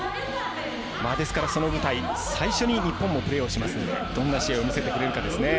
ですから、その舞台最初に日本もプレーしますのでどんな試合を見せてくれるか。